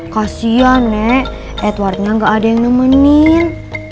kasian nek edwardnya gak ada yang nemenin